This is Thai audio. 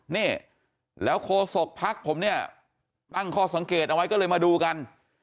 นี่แล้วโฆษกพรรคผมตั้งคสังเกตเอาไว้ก็เลยมาดูกัน